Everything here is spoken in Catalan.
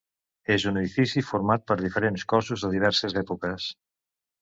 És un edifici format per diferents cossos de diverses èpoques.